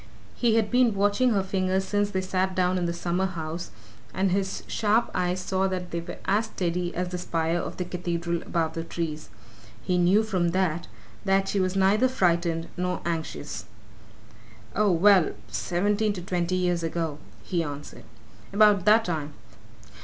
He had been watching her fingers since they sat down in the summer house, and his sharp eyes saw that they were as steady as the spire of the cathedral above the trees he knew from that that she was neither frightened nor anxious. "Oh, well seventeen to twenty years ago," he answered. "About that time.